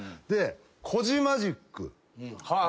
でコジマジック。